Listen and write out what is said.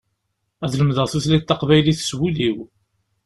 Ad lemdeɣ tutlayt taqbaylit s wul-iw.